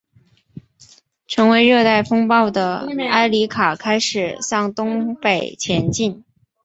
成为热带风暴的埃里卡开始向东北前进。